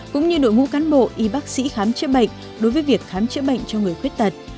cũng như đội ngũ cán bộ y bác sĩ khám chữa bệnh đối với việc khám chữa bệnh cho người khuyết tật